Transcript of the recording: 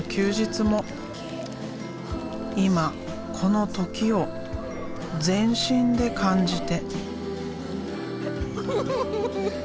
今この時を全身で感じて。